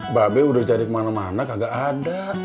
mbak be udah cari kemana mana kagak ada